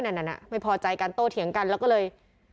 นั่นน่ะไม่พอใจกันโต้เถียงกันแล้วก็เลย